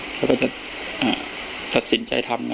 ถ้าใครอยากรู้ว่าลุงพลมีโปรแกรมทำอะไรที่ไหนยังไง